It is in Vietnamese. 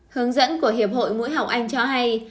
hướng dẫn của hiệp hội mũi học anh cho hay